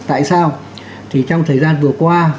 tại sao thì trong thời gian vừa qua